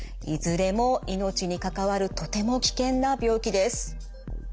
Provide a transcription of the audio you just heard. いずれも命に関わるとても危険な病気です。